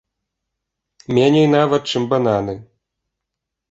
Меней нават, чым бананы.